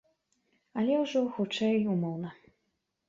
Але ўжо, хутчэй, умоўна.